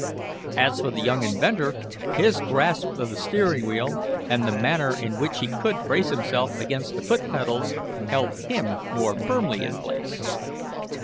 As for the young inventor his grasp of the steering wheel, and the manner in which he could brace himself against the foot pedals, held him more firmly in place.